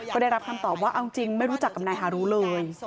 ก็ได้รับคำตอบว่าเอาจริงไม่รู้จักกับนายฮารุเลย